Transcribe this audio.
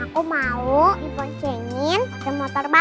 aku mau di ponsengin ke motorbans